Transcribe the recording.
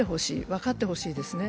分かってほしいですね。